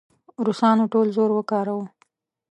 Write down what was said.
روسانو ټول زور وکاراوه.